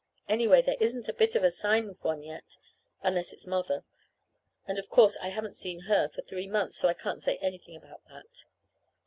Anyway, there isn't a bit of a sign of one, yet, unless it's Mother. And of course, I haven't seen her for three months, so I can't say anything about that.